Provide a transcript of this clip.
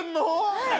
はい。